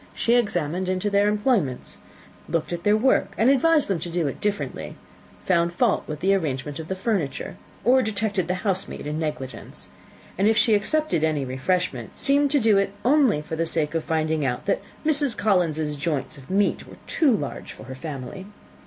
She examined into their employments, looked at their work, and advised them to do it differently; found fault with the arrangement of the furniture, or detected the housemaid in negligence; and if she accepted any refreshment, seemed to do it only for the sake of finding out that Mrs. Collins's joints of meat were too large for her family.